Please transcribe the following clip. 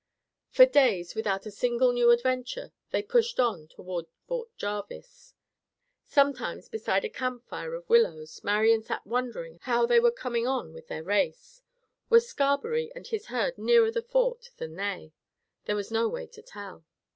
For days, without a single new adventure, they pushed on toward Fort Jarvis. Sometimes, beside a camp fire of willows, Marian sat wondering how they were coming on with their race. Were Scarberry and his herd nearer the Fort than they? There was no way to tell.